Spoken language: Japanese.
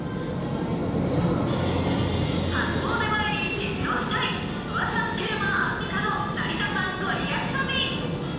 初詣前に知っておきたい、フワちゃん、テルマ、アンミカの成田山ご利益旅。